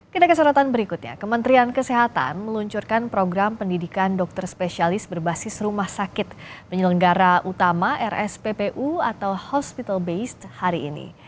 kita ke sorotan berikutnya kementerian kesehatan meluncurkan program pendidikan dokter spesialis berbasis rumah sakit penyelenggara utama rsppu atau hospital based hari ini